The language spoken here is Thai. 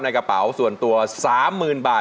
กระเป๋าส่วนตัว๓๐๐๐บาท